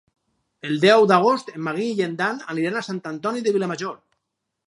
El deu d'agost en Magí i en Dan aniran a Sant Antoni de Vilamajor.